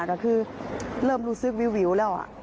แต่คือเริ่มรู้สึกวิวแล้ว